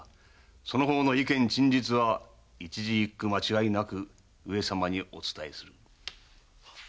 その方の意見陳述は一字一句間違いなく上様にお伝えする。